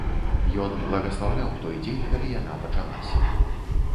Ён благаслаўляў той дзень, калі яна пачалася.